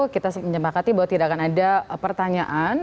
kita menyempakati bahwa tidak akan ada pertanyaan